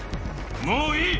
もういい！